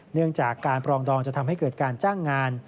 เนื่องจากการปรองดองจะทำให้เกิดการจ้างงาน